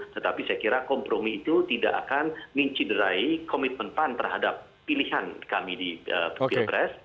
tetapi saya kira kompromi itu tidak akan menciderai komitmen pan terhadap pilihan kami di pilpres